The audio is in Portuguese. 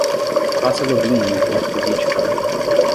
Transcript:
Faça login na minha conta do github.